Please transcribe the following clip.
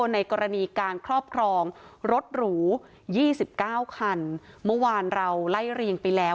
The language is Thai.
ในกรณีการครอบครองรถหรูยี่สิบเก้าคันเมื่อวานเราไล่เรียงไปแล้ว